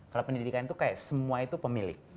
kalau pendidikan itu kayak semua itu pemilih